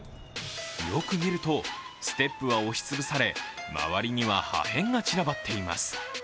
よく見ると、ステップは押し潰され周りには破片が散らばっています。